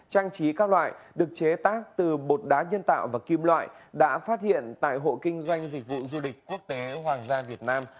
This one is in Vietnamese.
trang trí các loại được chế tác từ bột đá nhân tạo và kim loại đã phát hiện tại hộ kinh doanh dịch vụ du lịch quốc tế hoàng gia việt nam